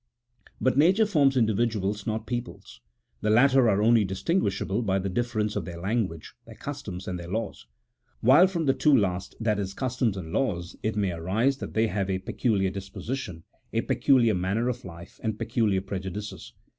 But nature forms individuals, not peoples ; the latter are only distinguishable by the difference of their language, their customs, and their laws ; while from the two last — i.e., customs and laws, — it may arise that they have a peculiar disposition, a peculiar manner of life, and peculiar prejudices.